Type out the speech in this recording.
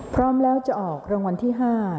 พร้อมแล้วจะออกรางวัลที่๕